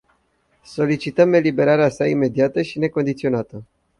Solicităm eliberarea sa imediată și necondiționată.